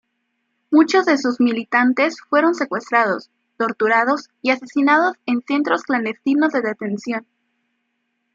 Muchos de sus militantes fueron secuestrados, torturados y asesinados en centros clandestinos de detención.